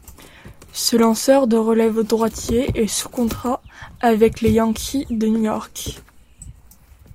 Ce lanceur de relève droitier est sous contrat avec les Yankees de New York.